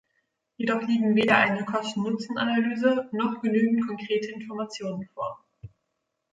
Jedoch liegen weder eine Kosten-Nutzen-Analyse noch genügend konkrete Informationen vor.